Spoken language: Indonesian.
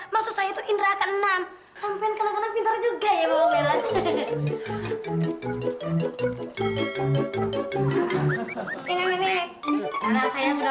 maksud saya itu indra ke enam sampai kenang kenang pintar juga ya bapak merah ini rasanya sudah